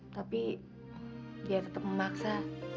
tapi dia tetap memaksa